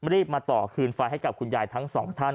รีบมาต่อคืนไฟให้กับคุณยายทั้งสองท่าน